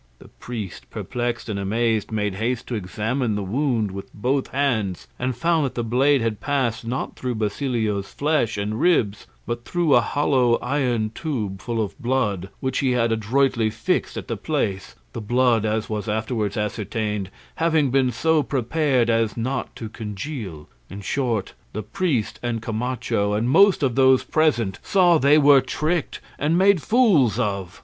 The priest, perplexed and amazed, made haste to examine the wound with both hands, and found that the blade had passed, not through Basilio's flesh and ribs, but through a hollow iron tube full of blood, which he had adroitly fixed at the place, the blood, as was afterwards ascertained, having been so prepared as not to congeal. In short, the priest and Camacho and most of those present saw they were tricked and made fools of.